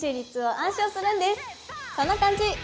こんな感じ！